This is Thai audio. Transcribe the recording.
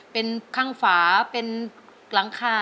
เป็นข้างฝาเป็นหลังคา